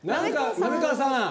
滑川さん